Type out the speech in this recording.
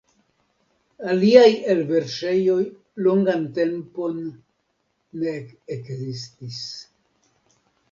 Aliaj elverŝejoj longan tempon ne ekzsits.